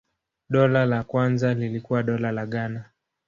Dola la kwanza lilikuwa Dola la Ghana.